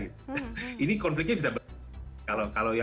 ini konfliknya bisa berubah